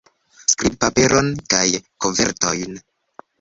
Skribpaperon kaj kovertojn.